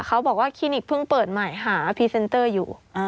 เขาบอกว่าคลินิกเพิ่งเปิดใหม่หาพรีเซนเตอร์อยู่